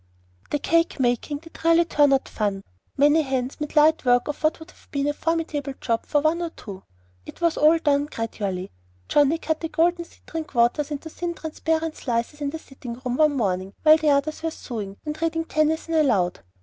The cake making did really turn out fun. Many hands made light work of what would have been a formidable job for one or two. It was all done gradually. Johnnie cut the golden citron quarters into thin transparent slices in the sitting room one morning while the others were sewing, and reading Tennyson aloud.